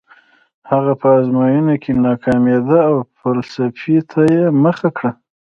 هغه په ازموینو کې ناکامېده او فلسفې ته یې مخه کړه